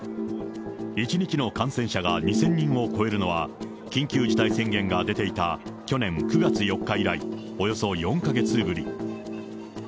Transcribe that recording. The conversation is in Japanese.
１日の感染者が２０００人を超えるのは、緊急事態宣言が出ていた去年９月４日以来、およそ４か月ぶり。